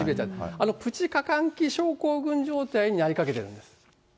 あの口過換気症候群状態になりかけてるんです。